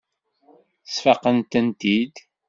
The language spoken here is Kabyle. Sfaqent-tent-id.